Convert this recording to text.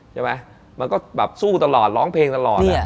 มันก็แบบสู้ตลอดร้องเพลงตลอด